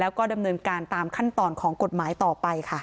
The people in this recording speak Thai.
แล้วก็ดำเนินการตามขั้นตอนของกฎหมายต่อไปค่ะ